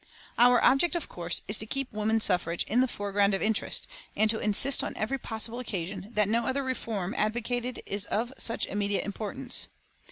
Our object, of course, is to keep woman suffrage in the foreground of interest and to insist on every possible occasion that no other reform advocated is of such immediate importance.